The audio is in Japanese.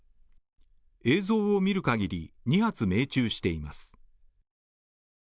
映像を見るかぎり、２発命中しています。